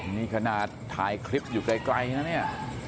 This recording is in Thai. นี่ขนาดถ่ายคลิปอยู่ไกลนะเนี่ย